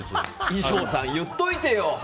衣装さん、言っといてよ！